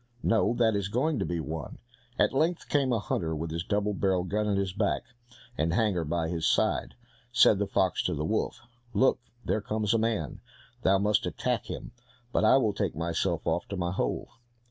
"No, that is going to be one." At length came a hunter with his double barrelled gun at his back, and hanger by his side. Said the fox to the wolf, "Look, there comes a man, thou must attack him, but I will take myself off to my hole."